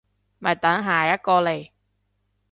咪等下一個嚟